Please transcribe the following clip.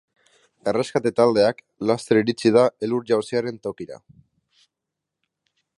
Erreskate taldeak laster iritsi dira elur-jausiaren tokira.